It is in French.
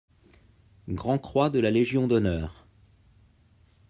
Grand croix de la Légion d'honneur.